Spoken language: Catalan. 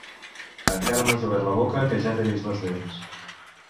Encara no has obert la boca que ja t'he vist les dents.